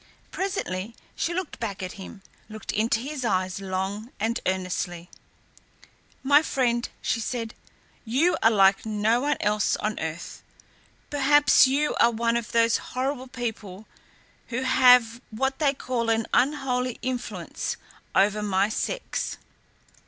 Presently she looked back at him, looked into his eyes long and earnestly. "My friend," she said, "you are like no one else on earth. Perhaps you are one of those horrible people who have what they call an unholy influence over my sex.